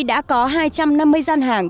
đã có hai trăm năm mươi gian hàng